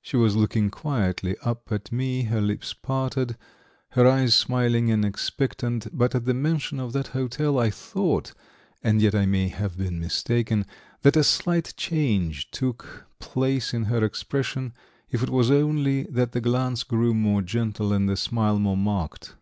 She was looking quietly up at me, her lips parted, her eyes smiling and expectant, but at the mention of that hotel I thought and yet I may have been mistaken that a slight change took place in her expression, if it was only that the glance grew more gentle and the smile more marked.